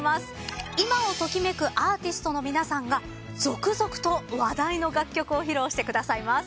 今を時めくアーティストの皆さんが続々と話題の楽曲を披露してくださいます。